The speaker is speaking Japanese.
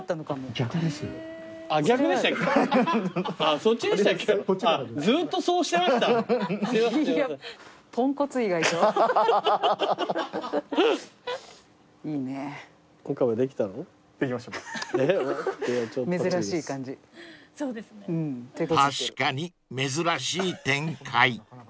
［確かに珍しい展開］